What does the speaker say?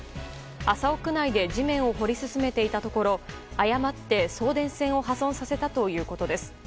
麻生区内で地面を掘り進めていたところ誤って送電線を破損させたということです。